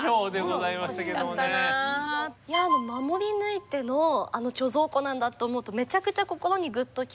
守り抜いてのあの貯蔵庫なんだと思うとめちゃくちゃ心にグッときて。